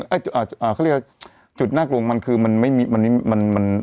เขาเรียกว่าจุดนักรวงมันคือมันหาวัคซีนมารักษายังไม่ได้